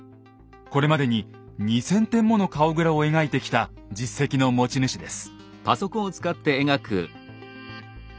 これまでに２，０００点もの顔グラを描いてきた実績の持ち主です。